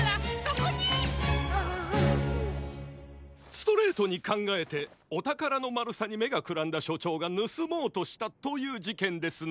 ストレートにかんがえておたからのまるさにめがくらんだしょちょうがぬすもうとしたというじけんですね。